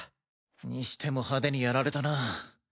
にしても派手にやられたなァ。